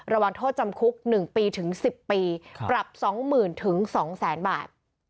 ระวังโทษจำคุก๑ปีถึง๑๐ปีปรับ๒๐๐๐๒๐๐๐๐บาท